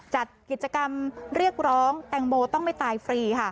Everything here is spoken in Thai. จัดกิจกรรมเรียกร้องแตงโมต้องไม่ตายฟรีค่ะ